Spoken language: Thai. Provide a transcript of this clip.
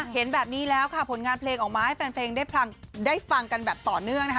เห็นแบบนี้แล้วค่ะผลงานเพลงออกมาให้แฟนเพลงได้ฟังกันแบบต่อเนื่องนะคะ